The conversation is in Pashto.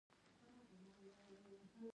خلک یې په دې خبرو مدهوش شول. هغوی وویل: